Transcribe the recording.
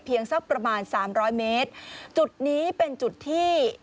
สักประมาณสามร้อยเมตรจุดนี้เป็นจุดที่